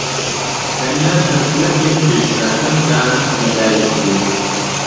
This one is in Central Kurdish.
تەنیا چەند خولەکێک پێش براکەم دان لەدایکبووم.